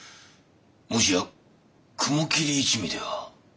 もしや雲霧一味では？